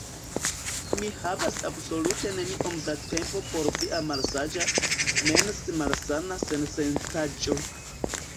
Mi havas absolute neniom da tempo por via malsaĝa, mense malsana sensencaĵo.